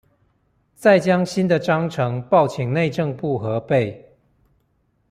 再將新的章程報請內政部核備